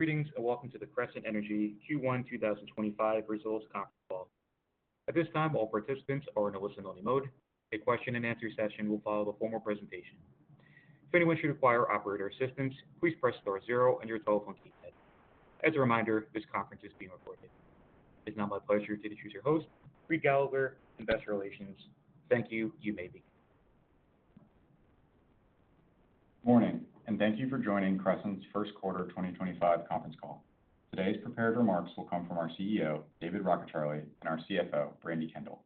Greetings and welcome to the Crescent Energy Q1 2025 Results Conference Call. At this time, all participants are in listen-only mode. A Q&A session will follow the formal presentation. If anyone should require operator assistance, please press star zero on your telephone keypad. As a reminder, this conference is being recorded. It is now my pleasure to introduce your host, Reid Gallagher, Investor Relations. Thank you, you may begin. Good morning, and thank you for joining Crescent's First Quarter 2025 Conference Call. Today's prepared remarks will come from our CEO, David Rockecharlie, and our CFO, Brandi Kendall.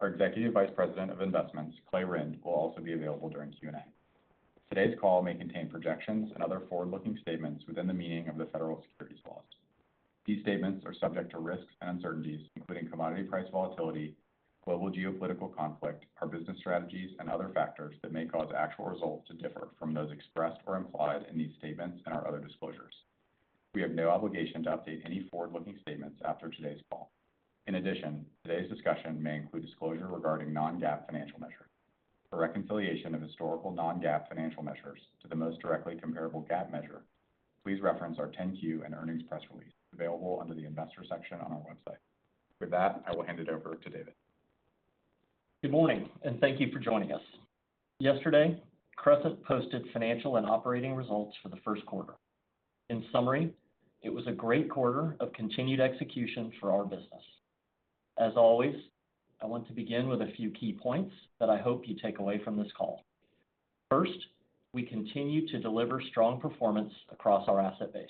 Our Executive Vice President of Investments, Clay Rynd, will also be available during Q&A. Today's call may contain projections and other forward-looking statements within the meaning of the federal securities laws. These statements are subject to risks and uncertainties, including commodity price volatility, global geopolitical conflict, our business strategies, and other factors that may cause actual results to differ from those expressed or implied in these statements and our other disclosures. We have no obligation to update any forward-looking statements after today's call. In addition, today's discussion may include disclosure regarding non-GAAP financial measures. For reconciliation of historical non-GAAP financial measures to the most directly comparable GAAP measure, please reference our 10-Q and earnings press release available under the Investor section on our website. With that, I will hand it over to David. Good morning, and thank you for joining us. Yesterday, Crescent posted financial and operating results for the first quarter. In summary, it was a great quarter of continued execution for our business. As always, I want to begin with a few key points that I hope you take away from this call. First, we continue to deliver strong performance across our asset base.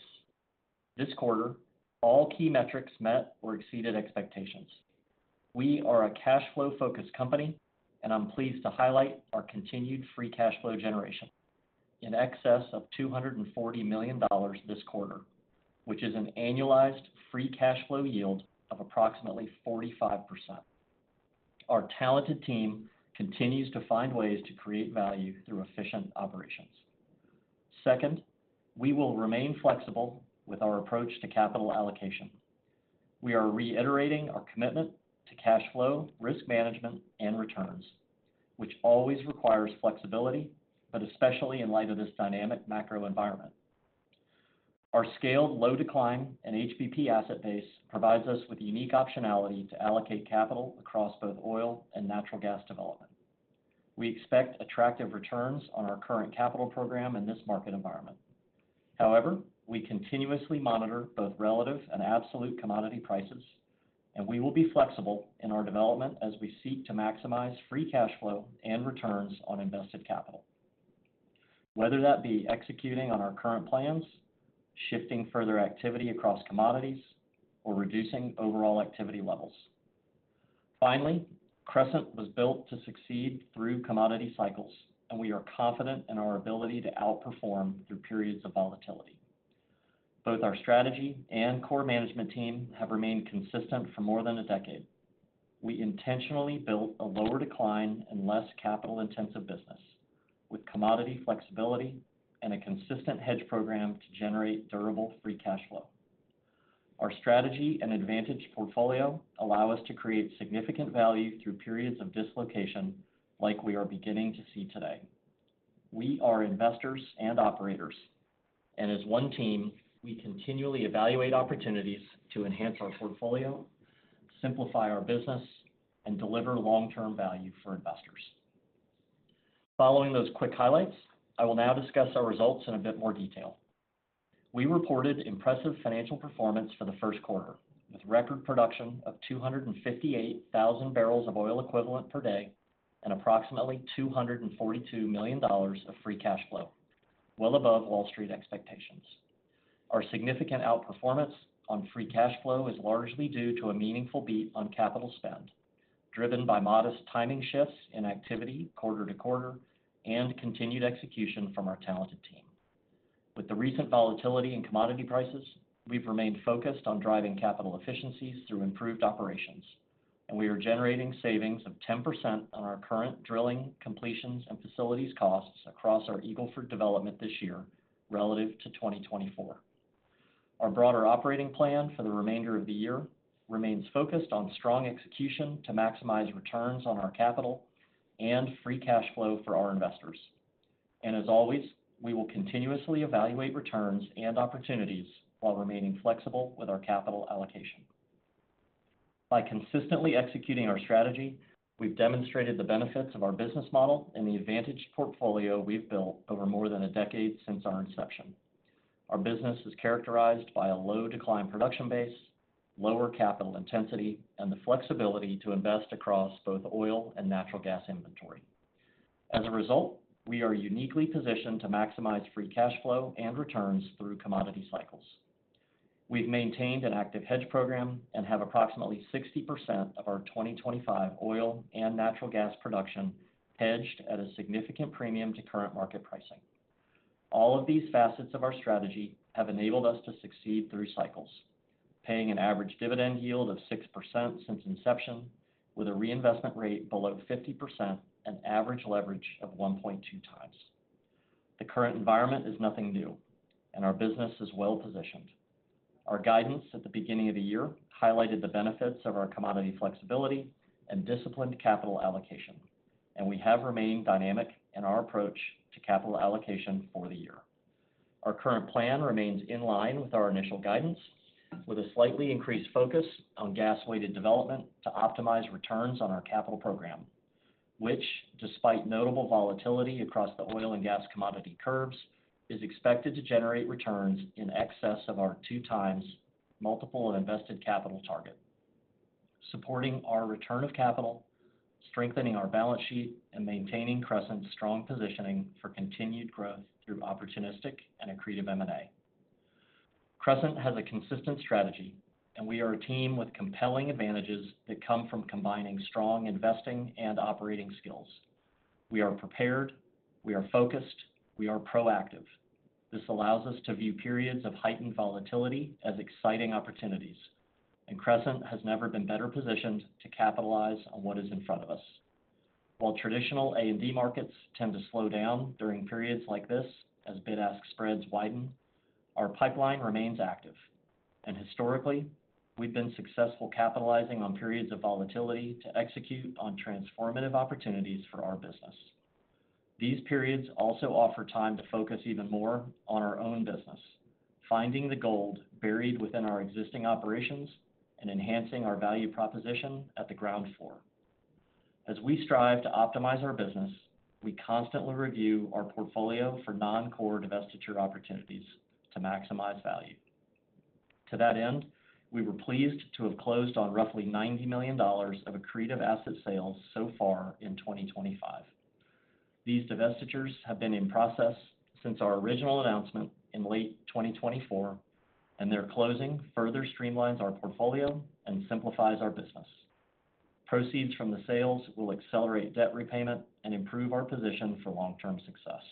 This quarter, all key metrics met or exceeded expectations. We are a cash flow-focused company, and I'm pleased to highlight our continued free cash flow generation in excess of $240 million this quarter, which is an annualized free cash flow yield of approximately 45%. Our talented team continues to find ways to create value through efficient operations. Second, we will remain flexible with our approach to capital allocation. We are reiterating our commitment to cash flow, risk management, and returns, which always requires flexibility, but especially in light of this dynamic macro environment. Our scaled low decline and HBP Asset Base provides us with unique optionality to allocate capital across both oil and natural gas development. We expect attractive returns on our current capital program in this market environment. However, we continuously monitor both relative and absolute commodity prices, and we will be flexible in our development as we seek to maximize free cash flow and returns on invested capital, whether that be executing on our current plans, shifting further activity across commodities, or reducing overall activity levels. Finally, Crescent was built to succeed through commodity cycles, and we are confident in our ability to outperform through periods of volatility. Both our strategy and core management team have remained consistent for more than a decade. We intentionally built a lower decline and less capital-intensive business with commodity flexibility and a consistent hedge program to generate durable free cash flow. Our strategy and advantaged portfolio allow us to create significant value through periods of dislocation like we are beginning to see today. We are investors and operators, and as one team, we continually evaluate opportunities to enhance our portfolio, simplify our business, and deliver long-term value for investors. Following those quick highlights, I will now discuss our results in a bit more detail. We reported impressive financial performance for the first quarter, with record production of 258,000 barrels of oil equivalent per day and approximately $242 million of free cash flow, well above Wall Street expectations. Our significant out-performance on free cash flow is largely due to a meaningful beat on capital spend, driven by modest timing shifts in activity quarter to quarter and continued execution from our talented team. With the recent volatility in commodity prices, we have remained focused on driving capital efficiencies through improved operations, and we are generating savings of 10% on our current drilling, completions, and facilities costs across our Eagle Ford development this year relative to 2024. Our broader operating plan for the remainder of the year remains focused on strong execution to maximize returns on our capital and free cash flow for our investors. As always, we will continuously evaluate returns and opportunities while remaining flexible with our capital allocation. By consistently executing our strategy, we have demonstrated the benefits of our business model and the advantage portfolio we have built over more than a decade since our inception. Our business is characterized by a low decline production base, lower capital intensity, and the flexibility to invest across both oil and natural gas inventory. As a result, we are uniquely positioned to maximize free cash flow and returns through commodity cycles. We've maintained an active hedge program and have approximately 60% of our 2025 oil and natural gas production hedged at a significant premium to current market pricing. All of these facets of our strategy have enabled us to succeed through cycles, paying an average dividend yield of 6% since inception with a reinvestment rate below 50% and average leverage of 1.2 times. The current environment is nothing new, and our business is well-positionedd. Our guidance at the beginning of the year highlighted the benefits of our commodity flexibility and disciplined capital allocation, and we have remained dynamic in our approach to capital allocation for the year. Our current plan remains in line with our initial guidance, with a slightly increased focus on gas-weighted development to optimize returns on our capital program, which, despite notable volatility across the oil and gas commodity curves, is expected to generate returns in excess of our two times multiple of invested capital target, supporting our return of capital, strengthening our balance sheet, and maintaining Crescent's strong positioning for continued growth through opportunistic and accretive M&A. Crescent has a consistent strategy, and we are a team with compelling advantages that come from combining strong investing and operating skills. We are prepared, we are focused, we are proactive. This allows us to view periods of heightened volatility as exciting opportunities, and Crescent has never been better positioned to capitalize on what is in front of us. While traditional A&D markets tend to slow down during periods like this as bid-ask spreads widen, our pipeline remains active, and historically, we've been successful capitalizing on periods of volatility to execute on transformative opportunities for our business. These periods also offer time to focus even more on our own business, finding the gold buried within our existing operations and enhancing our value proposition at the ground floor. As we strive to optimize our business, we constantly review our portfolio for non-core divestiture opportunities to maximize value. To that end, we were pleased to have closed on roughly $90 million of accretive asset sales so far in 2025. These divestitures have been in process since our original announcement in late 2024, and their closing further streamlines our portfolio and simplifies our business. Proceeds from the sales will accelerate debt repayment and improve our position for long-term success.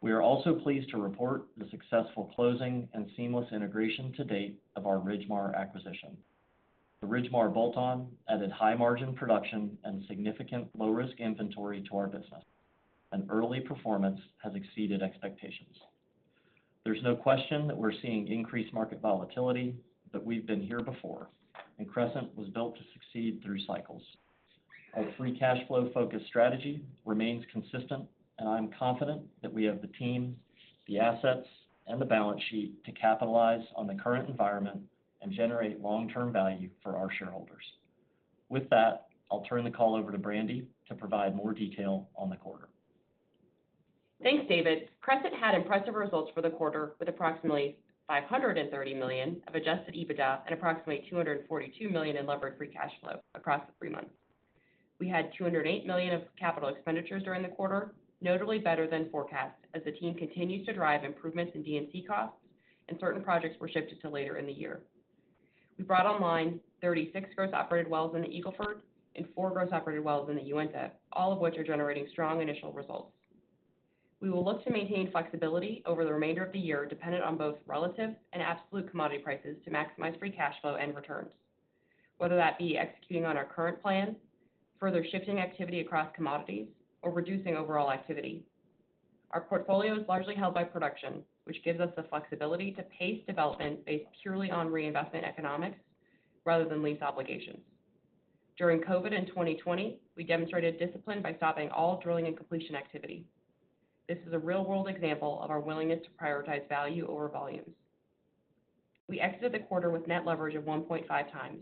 We are also pleased to report the successful closing and seamless integration to date of our Ridgemar acquisition. The Ridgemar bolt-on added high-margin production and significant low-risk inventory to our business, and early performance has exceeded expectations. There's no question that we're seeing increased market volatility, but we've been here before, and Crescent was built to succeed through cycles. Our free cash flow-focused strategy remains consistent, and I'm confident that we have the team, the assets, and the balance sheet to capitalize on the current environment and generate long-term value for our shareholders. With that, I'll turn the call over to Brandi to provide more detail on the quarter. Thanks, David. Crescent had impressive results for the quarter with approximately $530 million of adjusted EBITDA and approximately $242 million in levered free cash flow across the three months. We had $208 million of capital expenditures during the quarter, notably better than forecast as the team continues to drive improvements in D&C costs, and certain projects were shifted to later in the year. We brought online 36 gross operated wells in the Eagle Ford and four gross operated wells in the Uinta, all of which are generating strong initial results. We will look to maintain flexibility over the remainder of the year dependent on both relative and absolute commodity prices to maximize free cash flow and returns, whether that be executing on our current plan, further shifting activity across commodities, or reducing overall activity. Our portfolio is largely held by production, which gives us the flexibility to pace development based purely on reinvestment economics rather than lease obligations. During COVID and 2020, we demonstrated discipline by stopping all drilling and completion activity. This is a real-world example of our willingness to prioritize value over volumes. We exited the quarter with net leverage of 1.5 times,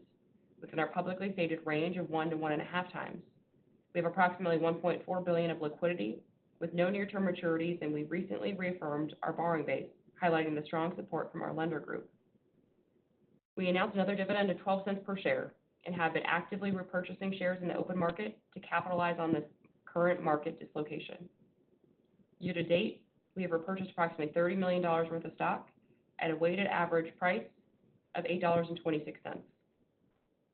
within our publicly stated range of 1-1.5 times. We have approximately $1.4 billion of liquidity with no near-term maturities, and we've recently reaffirmed our borrowing base, highlighting the strong support from our lender group. We announced another dividend of $0.12 per share and have been actively repurchasing shares in the open market to capitalize on this current market dislocation. Year to date, we have repurchased approximately $30 million worth of stock at a weighted average price of $8.26.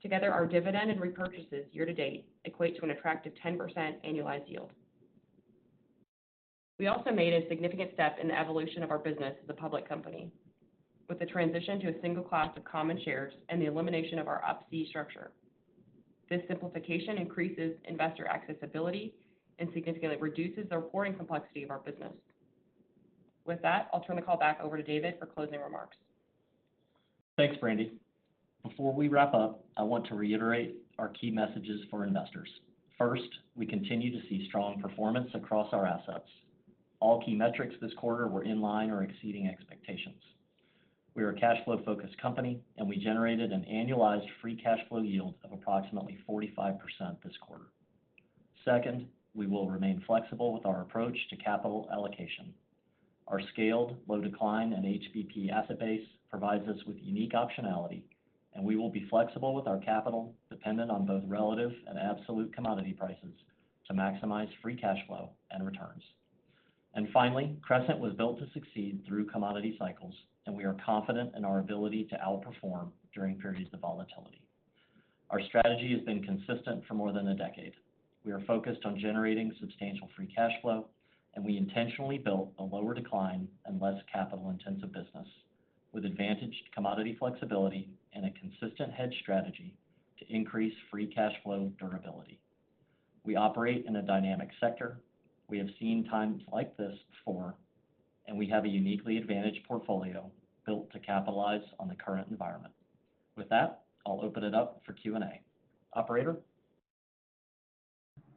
Together, ourdividendsd and re-purchases year to date equate to an attractive 10% annualized yield. We also made a significant step in the evolution of our business as a public company with the transition to a single class of common shares and the elimination of our Ups-C structure. This simplification increases investor accessibility and significantly reduces the reporting complexity of our business. With that, I'll turn the call back over to David for closing remarks. Thanks, Brandi. Before we wrap up, I want to reiterate our key messages for investors. First, we continue to see strong performance across our assets. All key metrics this quarter were in line or exceeding expectations. We are a cash flow-focused company, and we generated an annualized free cash flow yield of approximately 45% this quarter. Second, we will remain flexible with our approach to capital allocation. Our scaled low decline and HBP Asset Base provides us with unique optionality, and we will be flexible with our capital dependent on both relative and absolute commodity prices to maximize free cash flow and returns. Finally, Crescent was built to succeed through commodity cycles, and we are confident in our ability to outperform during periods of volatility. Our strategy has been consistent for more than a decade. We are focused on generating substantial free cash flow, and we intentionally built a lower decline and less capital-intensive business with advantaged commodity flexibility and a consistent hedge strategy to increase free cash flow durability. We operate in a dynamic sector. We have seen times like this before, and we have a uniquely advantaged portfolio built to capitalize on the current environment. With that, I'll open it up for Q&A. Operator.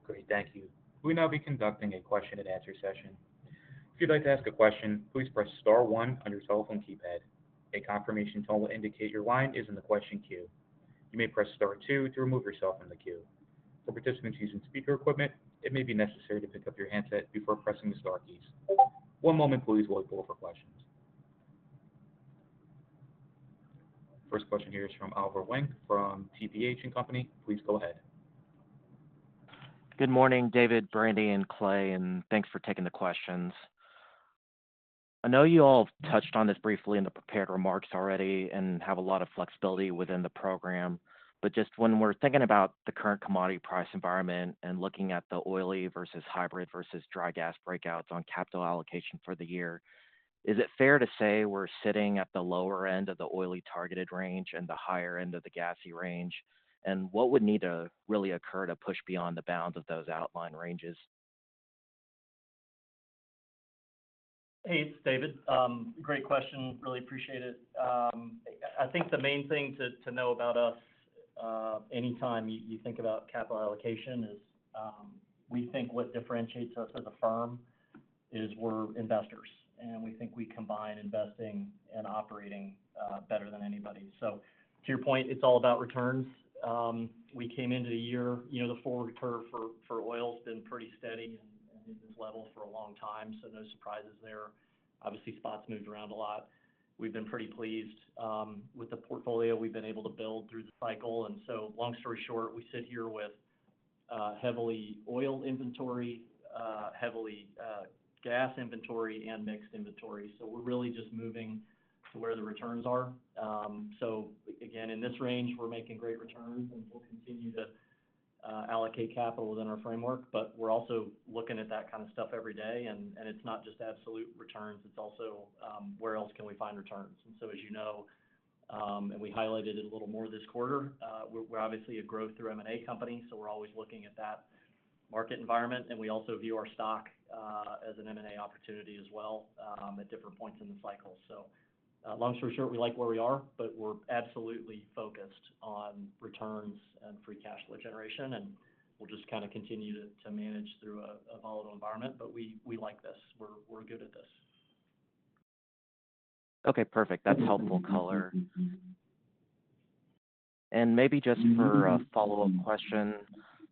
Great. Thank you. We will now be conducting a Q&A session. If you'd like to ask a question, please press star one on your telephone keypad. A confirmation tone will indicate your line is in the question queue. You may press star two to remove yourself from the queue. For participants using speaker equipment, it may be necessary to pick up your handset before pressing the Star keys. One moment, please, while we pull up our questions. First question here is from Oliver Huang from TPH & Co. Please go ahead. Good morning, David, Brandi, and Clay, and thanks for taking the questions. I know you all have touched on this briefly in the prepared remarks already and have a lot of flexibility within the program, but just when we're thinking about the current commodity price environment and looking at the oily versus hybrid versus dry gas breakouts on capital allocation for the year, is it fair to say we're sitting at the lower end of the oily targeted range and the higher end of the gassy range? What would need to really occur to push beyond the bounds of those outlined ranges? Hey, it's David. Great question. Really appreciate it. I think the main thing to know about us anytime you think about capital allocation is we think what differentiates us as a firm is we're investors, and we think we combine investing and operating better than anybody. To your point, it's all about returns. We came into the year, you know, the forward curve for oil has been pretty steady and in this level for a long time, so no surprises there. Obviously, spots moved around a lot. We've been pretty pleased with the portfolio we've been able to build through the cycle. Long story short, we sit here with heavily oil inventory, heavily gas inventory, and mixed inventory. We're really just moving to where the returns are. Again, in this range, we're making great returns and we'll continue to allocate capital within our framework, but we're also looking at that kind of stuff every day. It's not just absolute returns, it's also where else can we find returns. As you know, and we highlighted it a little more this quarter, we're obviously a growth-through-M&A company, so we're always looking at that market environment. We also view our stock as an M&A opportunity as well at different points in the cycle. Long story short, we like where we are, but we're absolutely focused on returns and free cash flow generation, and we'll just kind of continue to manage through a volatile environment, but we like this. We're good at this. Okay. Perfect. That's helpful color. Maybe just for a follow-up question,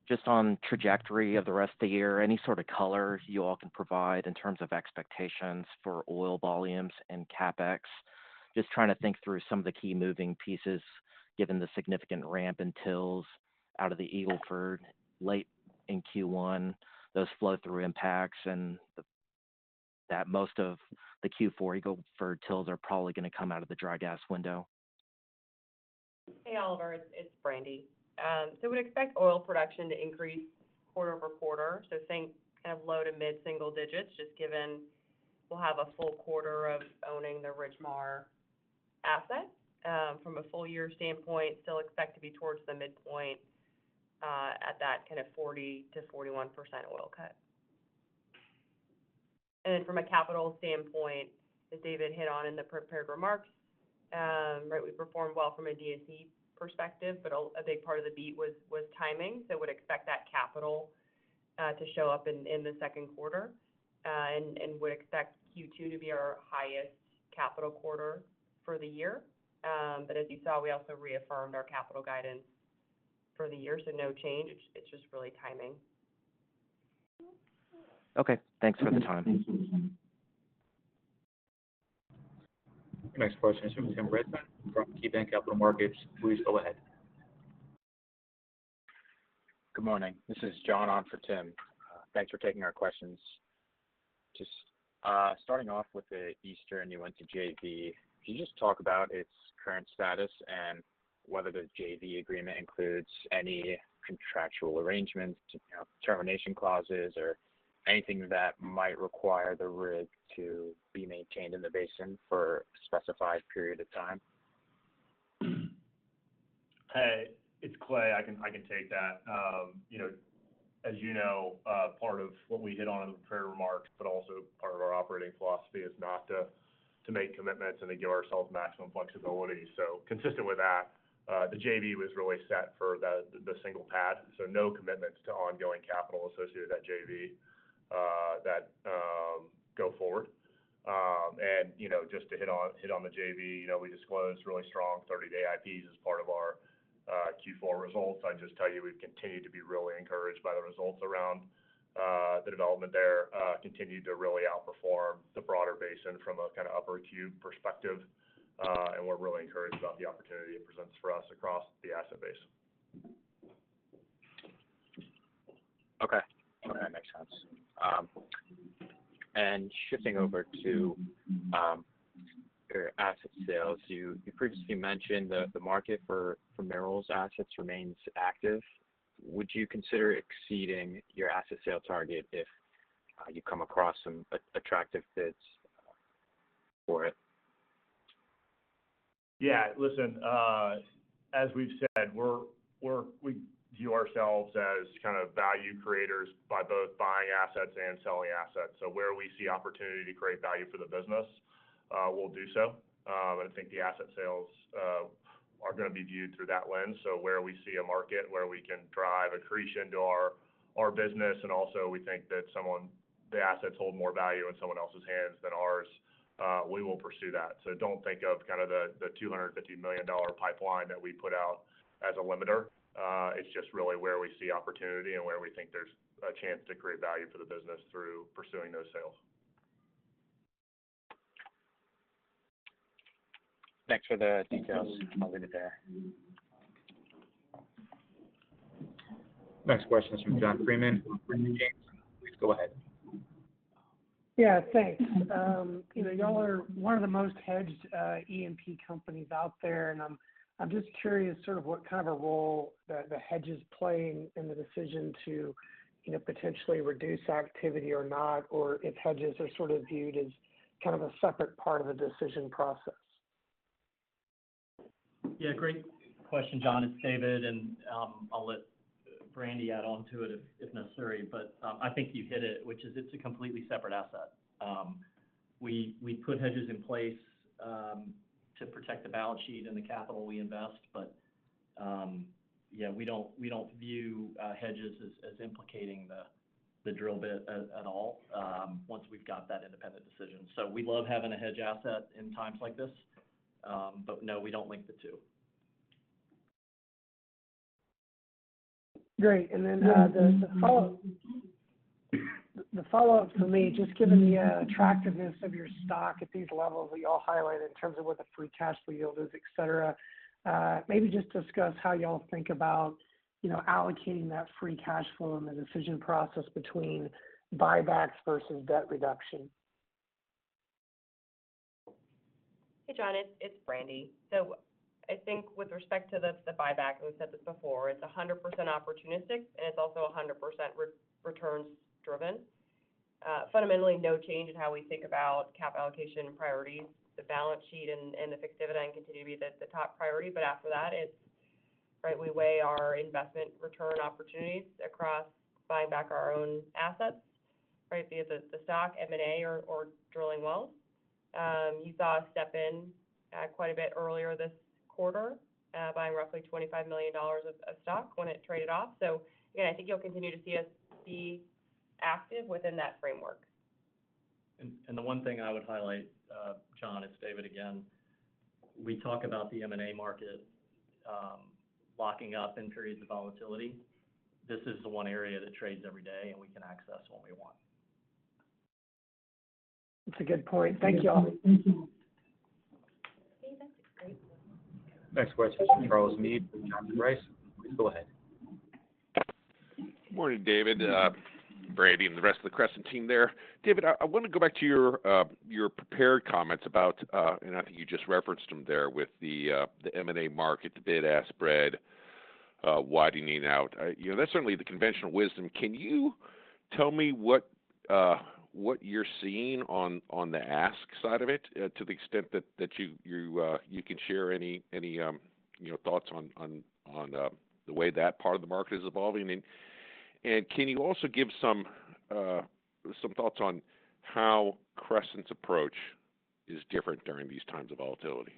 just on trajectory of the rest of the year, any sort of color you all can provide in terms of expectations for oil volumes and CapEx? Just trying to think through some of the key moving pieces given the significant ramp in tills out of the Eagle Ford late in Q1, those flow-through impacts, and that most of the Q4 Eagle Ford tills are probably going to come out of the dry gas window? Hey, Oliver. It's Brandi. We'd expect oil production to increase quarter over quarter, so same kind of low to mid-single digits just given we'll have a full quarter of owning the Ridgemar asset. From a full-year standpoint, still expect to be towards the midpoint at that kind of 40%-41% oil cut. From a capital standpoint, as David hit on in the prepared remarks, right, we performed well from a D&C perspective, but a big part of the beat was timing. We'd expect that capital to show up in the second quarter and would expect Q2 to be our highest capital quarter for the year. As you saw, we also reaffirmed our capital guidance for the year, so no change. It's just really timing. Okay. Thanks for the time. Next question is from Tim Brisson from KeyBanc Capital Markets. Please go ahead. Good morning. This is John On for Tim. Thanks for taking our questions. Just starting off with the Eastern Uinta JV, could you just talk about its current status and whether the JV agreement includes any contractual arrangements, termination clauses, or anything that might require the rig to be maintained in the basin for a specified period of time? Hey, it's Clay. I can take that. As you know, part of what we hit on in the prepared remarks, but also part of our operating philosophy is not to make commitments and to give ourselves maximum flexibility. Consistent with that, the JV was really set for the single pad, so no commitments to ongoing capital associated with that JV that go forward. Just to hit on the JV, we disclosed really strong 30-day IPs as part of our Q4 results. I'd just tell you we've continued to be really encouraged by the results around the development there, continued to really outperform the broader basin from a kind of upper cube perspective, and we're really encouraged about the opportunity it presents for us across the Asset Base. Okay. Okay. Makes sense. Shifting over to your asset sales, you previously mentioned the market for Merrill's assets remains active. Would you consider exceeding your asset sale target if you come across some attractive bids for it? Yeah. Listen, as we've said, we view ourselves as kind of value creators by both buying assets and selling assets. Where we see opportunity to create value for the business, we'll do so. I think the asset sales are going to be viewed through that lens. Where we see a market where we can drive accretion to our business, and also we think that the assets hold more value in someone else's hands than ours, we will pursue that. Do not think of kind of the $250 million pipeline that we put out as a limiter. It is just really where we see opportunity and where we think there's a chance to create value for the business through pursuing those sales. Thanks for the details. I'll leave it there. Next question is from John Freeman. Please go ahead. Yeah. Thanks. You all are one of the most hedged E&P companies out there, and I'm just curious sort of what kind of a role the hedges play in the decision to potentially reduce activity or not, or if hedges are sort of viewed as kind of a separate part of the decision process? Yeah. Great question, John. It's David, and I'll let Brandi add on to it if necessary, but I think you hit it, which is it's a completely separate asset. We put hedges in place to protect the balance sheet and the capital we invest, but yeah, we don't view hedges as implicating the drill bit at all once we've got that independent decision. We love having a hedge asset in times like this, but no, we don't link the two. Great. The follow-up for me, just given the attractiveness of your stock at these levels that you all highlighted in terms of what the free cash flow yield is, etc., maybe just discuss how you all think about allocating that free cash flow in the decision process between buybacks versus debt reduction. Hey, John. It's Brandi. I think with respect to the buyback, and we've said this before, it's 100% opportunistic, and it's also 100% returns-driven. Fundamentally, no change in how we think about capital allocation priorities. The balance sheet and effectivity continue to be the top priority. After that, it's right, we weigh our investment return opportunities across buying back our own assets, right, via the stock, M&A, or drilling wells. You saw us step in quite a bit earlier this quarter, buying roughly $25 million of stock when it traded off. I think you'll continue to see us be active within that framework. The one thing I would highlight, John, it's David again. We talk about the M&A market locking up in periods of volatility. This is the one area that trades every day, and we can access when we want. That's a good point. Thank you all. Hey, that's a great point. Next question is from Charles Meade from Johnson Rice. Please go ahead. Morning, David, Brandi, and the rest of the Crescent team there. David, I want to go back to your prepared comments about, and I think you just referenced them there with the M&A market, the bid-ask spread, widening out. That's certainly the conventional wisdom. Can you tell me what you're seeing on the ask side of it to the extent that you can share any thoughts on the way that part of the market is evolving? Can you also give some thoughts on how Crescent's approach is different during these times of volatility?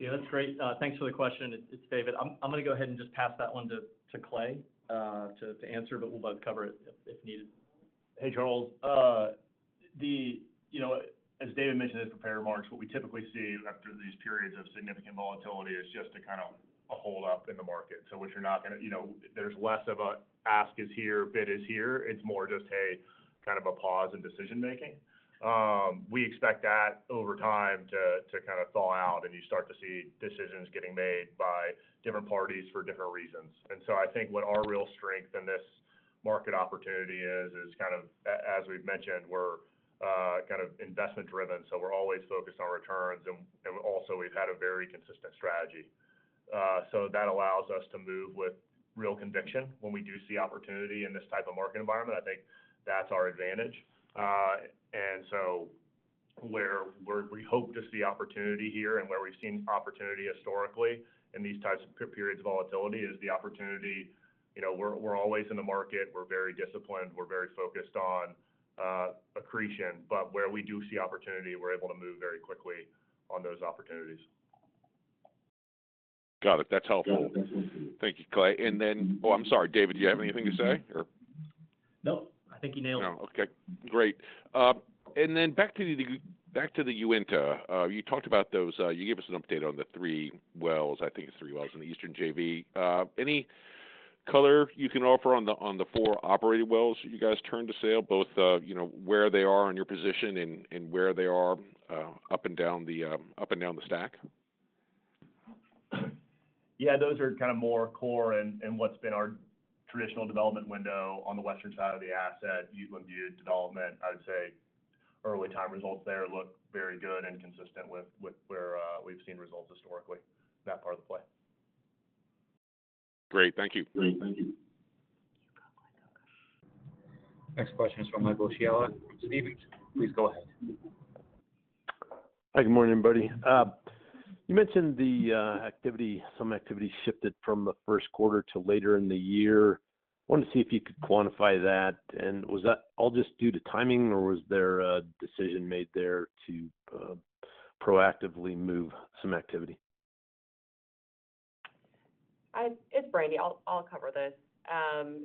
Yeah. That's great. Thanks for the question. It's David. I'm going to go ahead and just pass that one to Clay to answer, but we'll both cover it if needed. Hey, Charles. As David mentioned in his prepared remarks, what we typically see after these periods of significant volatility is just a kind of a hold-up in the market. What you're not going to—there's less of a ask is here, bid is here. It's more just, hey, kind of a pause in decision-making. We expect that over time to kind of thaw out, and you start to see decisions getting made by different parties for different reasons. I think what our real strength in this market opportunity is, is kind of, as we've mentioned, we're kind of investment-driven, so we're always focused on returns. Also, we've had a very consistent strategy. That allows us to move with real conviction when we do see opportunity in this type of market environment. I think that's our advantage. Where we hope to see opportunity here and where we've seen opportunity historically in these types of periods of volatility is the opportunity. We're always in the market. We're very disciplined. We're very focused on accretion. Where we do see opportunity, we're able to move very quickly on those opportunities. Got it. That's helpful. Thank you, Clay. Oh, I'm sorry, David, do you have anything to say or? Nope. I think you nailed it. No. Okay. Great. Then back to the Uinta, you talked about those—you gave us an update on the three wells, I think it is three wells in the Eastern JV. Any color you can offer on the four operating wells you guys turned to sale, both where they are in your position and where they are up and down the stack? Yeah. Those are kind of more core and what's been our traditional development window on the western side of the asset, Uinta Development. I would say early-time results there look very good and consistent with where we've seen results historically, that part of the play. Great. Thank you. Great. Thank you. Next question is from Michael Chialla. Steve, please go ahead. Hi. Good morning, everybody. You mentioned some activity shifted from the first quarter to later in the year. I wanted to see if you could quantify that. Was that all just due to timing, or was there a decision made there to proactively move some activity? It's Brandi. I'll cover this.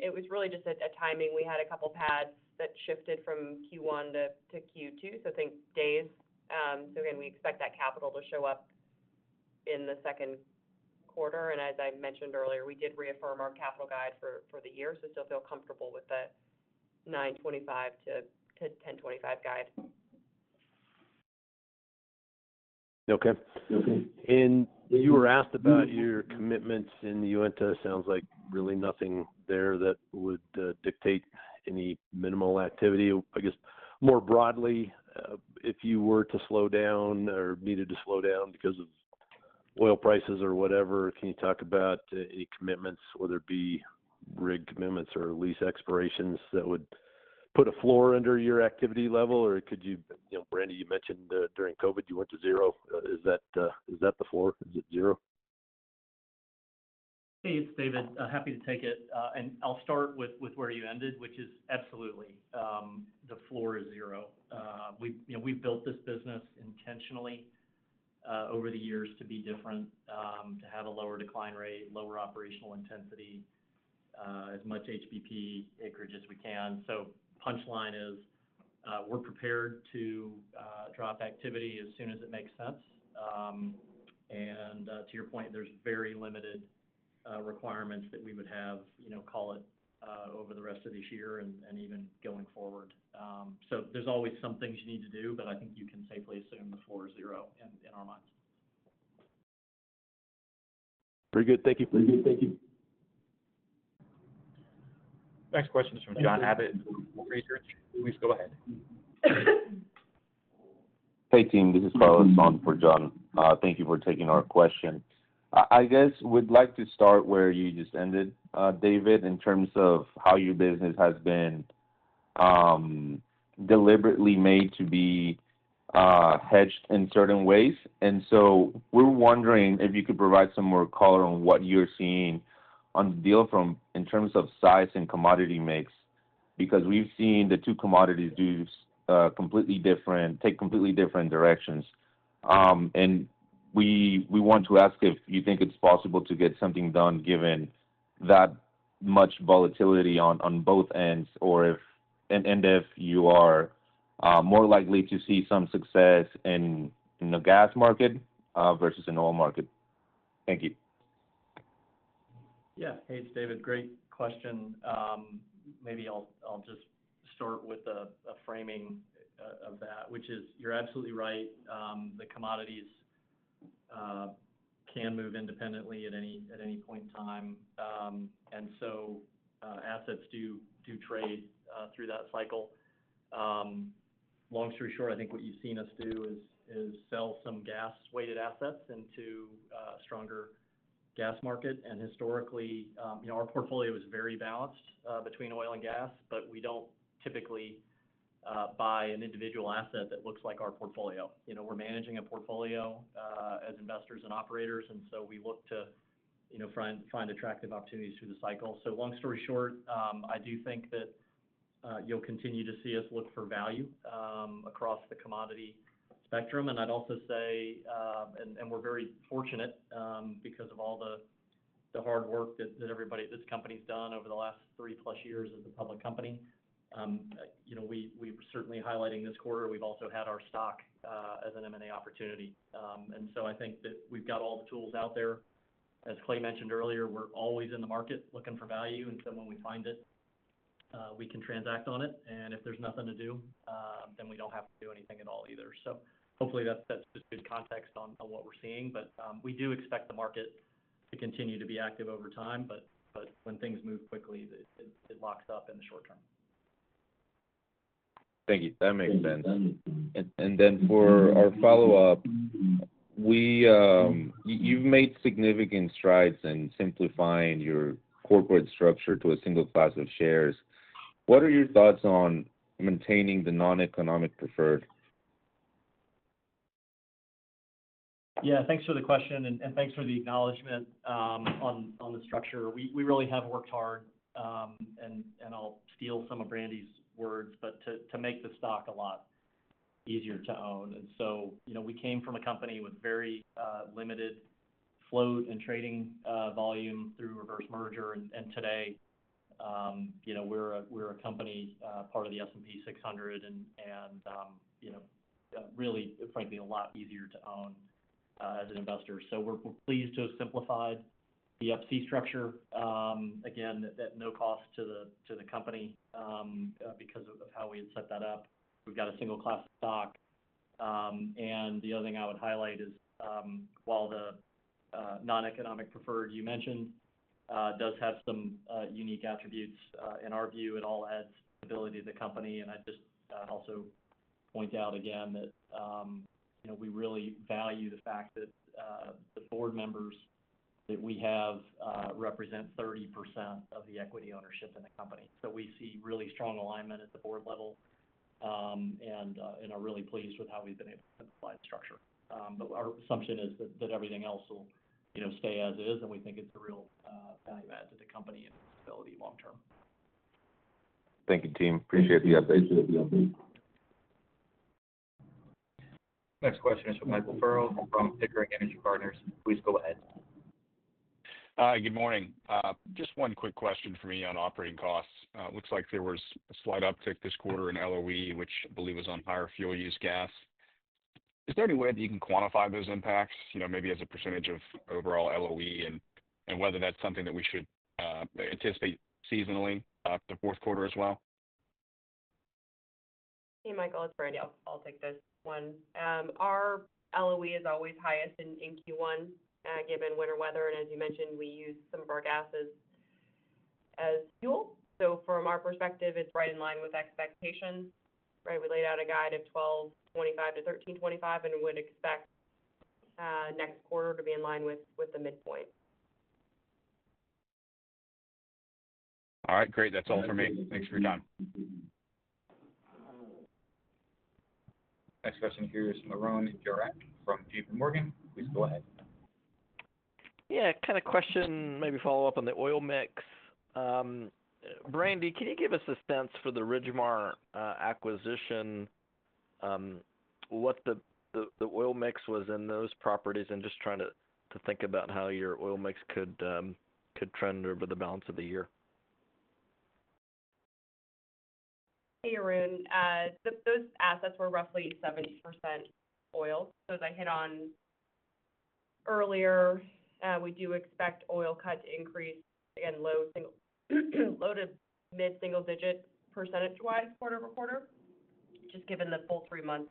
It was really just a timing. We had a couple of pads that shifted from Q1 to Q2, so I think days. We expect that capital to show up in the second quarter. As I mentioned earlier, we did reaffirm our capital guide for the year, so still feel comfortable with the $925 to $1,025 guide. Okay. When you were asked about your commitments in the Uinta, it sounds like really nothing there that would dictate any minimal activity. I guess more broadly, if you were to slow down or needed to slow down because of oil prices or whatever, can you talk about any commitments, whether it be rig commitments or lease expirations that would put a floor under your activity level? Could you—Brandi, you mentioned during COVID you went to zero. Is that the floor? Is it zero? Hey, it's David. Happy to take it. I'll start with where you ended, which is absolutely the floor is zero. We've built this business intentionally over the years to be different, to have a lower decline rate, lower operational intensity, as much HBP acreage as we can. Punchline is we're prepared to drop activity as soon as it makes sense. To your point, there's very limited requirements that we would have, call it, over the rest of this year and even going forward. There's always some things you need to do, but I think you can safely assume the floor is zero in our minds. Very good. Thank you. Thank you. Thank you. Next question is from John Abbott. Please go ahead. Hey, team. This is Carlos on for John. Thank you for taking our question. I guess we'd like to start where you just ended, David, in terms of how your business has been deliberately made to be hedged in certain ways. And so we're wondering if you could provide some more color on what you're seeing on the deal front in terms of size and commodity mix because we've seen the two commodities take completely different directions. And we want to ask if you think it's possible to get something done given that much volatility on both ends and if you are more likely to see some success in the gas market versus in the oil market? Thank you. Yeah. Hey, it's David. Great question. Maybe I'll just start with a framing of that, which is you're absolutely right. The commodities can move independently at any point in time. Assets do trade through that cycle. Long story short, I think what you've seen us do is sell some gas-weighted assets into a stronger gas market. Historically, our portfolio is very balanced between oil and gas, but we don't typically buy an individual asset that looks like our portfolio. We're managing a portfolio as investors and operators, and we look to find attractive opportunities through the cycle. Long story short, I do think that you'll continue to see us look for value across the commodity spectrum. I'd also say we're very fortunate because of all the hard work that this company's done over the last three-plus years as a public company. We're certainly highlighting this quarter. We've also had our stock as an M&A opportunity. I think that we've got all the tools out there. As Clay mentioned earlier, we're always in the market looking for value. When we find it, we can transact on it. If there's nothing to do, then we don't have to do anything at all either. Hopefully, that's just good context on what we're seeing. We do expect the market to continue to be active over time, but when things move quickly, it locks up in the short term. Thank you. That makes sense. For our follow-up, you've made significant strides in simplifying your corporate structure to a single classs of shares. What are your thoughts on maintaining the non-economic preferred? Yeah. Thanks for the question, and thanks for the acknowledgment on the structure. We really have worked hard, and I'll steal some of Brandi's words, but to make the stock a lot easier to own. We came from a company with very limited float and trading volume through reverse merger. Today, we're a company part of the S&P Cap 600 and really, frankly, a lot easier to own as an investor. We're pleased to have simplified the Ups-C Structure again at no cost to the company because of how we had set that up. We've got a single-class stock. The other thing I would highlight is while the non-economic preferred you mentioned does have some unique attributes, in our view, it all adds stability to the company. I’d just also point out again that we really value the fact that the board members that we have represent 30% of the equity ownership in the company. We see really strong alignment at the board level and are really pleased with how we’ve been able to simplify the structure. Our assumption is that everything else will stay as is, and we think it’s a real value-add to the company and stability long-term. Thank you, team. Appreciate the update. Next question is from Michael Ferrell from Pickering Energy Partners. Please go ahead. Hi. Good morning. Just one quick question for me on operating costs. It looks like there was a slight uptick this quarter in LOE, which I believe was on higher fuel use gas. Is there any way that you can quantify those impacts, maybe as a percentage of overall LOE and whether that's something that we should anticipate seasonally the fourth quarter as well? Hey, Michael. It's Brandi. I'll take this one. Our LOE is always highest in Q1 given winter weather. As you mentioned, we use some of our gases as fuel. From our perspective, it's right in line with expectations, right? We laid out a guide of $12.25 to $13.25 and would expect next quarter to be in line with the midpoint. All right. Great. That's all for me. Thanks for your time. Next question here is from Aaron from JPMorgan. Please go ahead. Yeah. Kind of question, maybe follow-up on the oil mix. Brandi, can you give us a sense for the Ridgemar acquisition, what the oil mix was in those properties and just trying to think about how your oil mix could trend over the balance of the year? Hey, Aaron. Those assets were roughly 70% oil. As I hit on earlier, we do expect oil cut to increase in low to mid-single-digit % quarter-over-quarter just given the full three months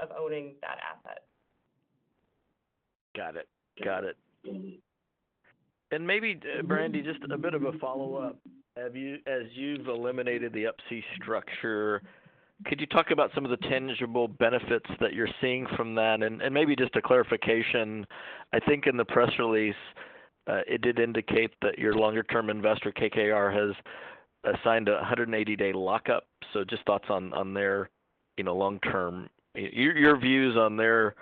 of owning that asset. Got it. Got it. Maybe, Brandi, just a bit of a follow-up. As you've eliminated the Ups-C Structure, could you talk about some of the tangible benefits that you're seeing from that? Maybe just a clarification. I think in the press release, it did indicate that your longer-term investor, KKR, has assigned a 180-day lockup. Just thoughts on their long-term views on their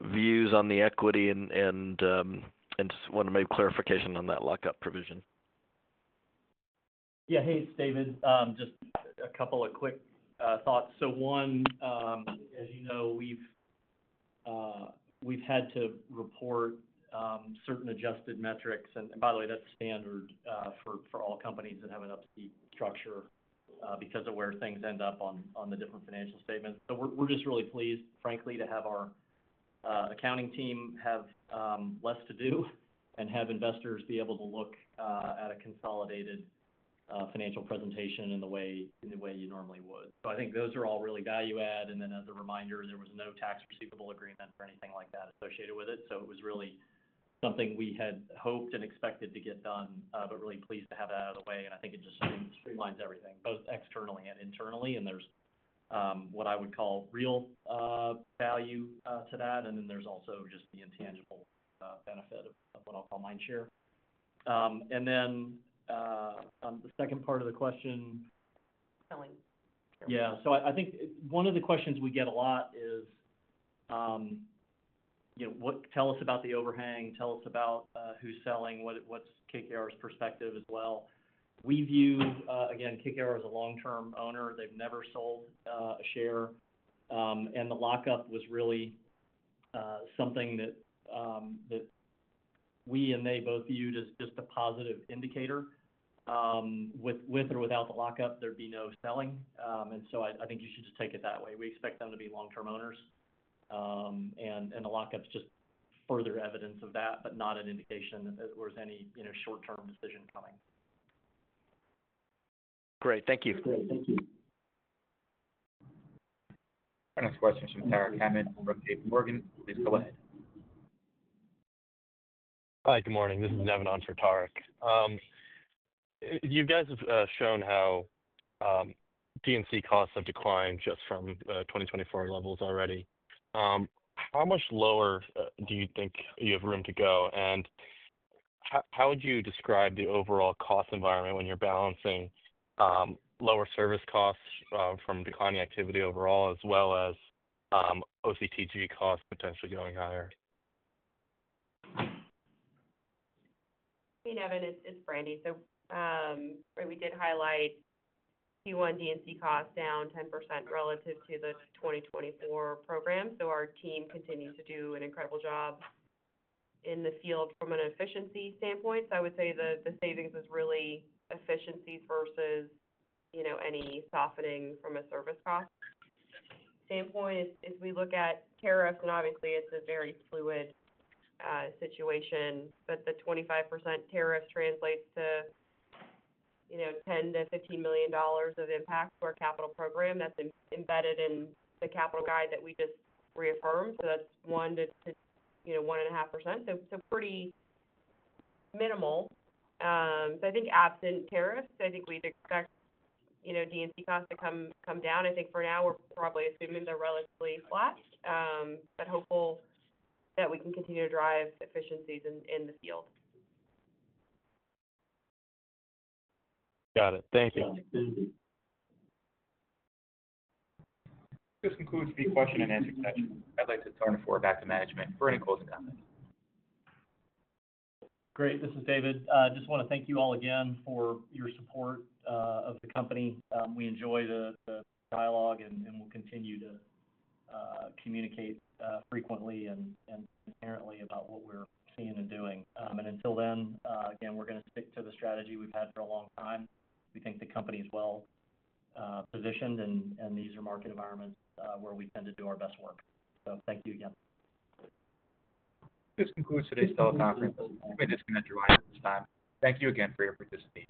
views on the equity and just wanted to make clarification on that lockup provision. Yeah. Hey, it's David. Just a couple of quick thoughts. One, as you know, we've had to report certain adjusted metrics. By the way, that's standard for all companies that have an Ups-C Structure because of where things end up on the different financial statements. We're just really pleased, frankly, to have our accounting team have less to do and have investors be able to look at a consolidated financial presentation in the way you normally would. I think those are all really value-add. As a reminder, there was no tax receivable agreement or anything like that associated with it. It was really something we had hoped and expected to get done, but really pleased to have that out of the way. I think it just streamlines everything, both externally and internally. There's what I would call real value to that. There is also just the intangible benefit of what I'll call mind share. On the second part of the question. Selling. Yeah. I think one of the questions we get a lot is, "Tell us about the overhang. Tell us about who's selling. What's KKR's perspective as well?" We view, again, KKR as a long-term owner. They've never sold a share. The lockup was really something that we and they both viewed as just a positive indicator. With or without the lockup, there'd be no selling. I think you should just take it that way. We expect them to be long-term owners. The lockup's just further evidence of that, but not an indication that there was any short-term decision coming. Great. Thank you. Thank you. Next question is from Tarek Hamid from JPMorgan. Please go ahead. Hi. Good morning. This is Nevin on for Tarek. You guys have shown how D&C costs have declined just from 2024 levels already. How much lower do you think you have room to go? How would you describe the overall cost environment when you're balancing lower service costs from declining activity overall as well as OCTG costs potentially going higher? Hey, Nevin. It's Brandi. We did highlight Q1 D&C costs down 10% relative to the 2024 program. Our team continues to do an incredible job in the field from an efficiency standpoint. I would say the savings is really efficiency versus any softening from a service cost standpoint. If we look at tariffs, then obviously, it's a very fluid situation. The 25% tariff translates to $10 million to $15 million of impact to our capital program. That's embedded in the capital guide that we just reaffirmed. That's 1.5%, so pretty minimal. I think absent tariffs, we'd expect D&C costs to come down. I think for now, we're probably assuming they're relatively flat, but hopeful that we can continue to drive efficiencies in the field. Got it. Thank you. This concludes the Q&A session. I'd like to turn the floor back to management for any closing comments. Great. This is David. I just want to thank you all again for your support of the company. We enjoy the dialogue, and we will continue to communicate frequently and inherently about what we are seeing and doing. Until then, again, we are going to stick to the strategy we have had for a long time. We think the company is well-positioned, and these are market environments where we tend to do our best work. Thank you again. This concludes today's teleconference. We just going to draw out of this time. Thank you again for your participation.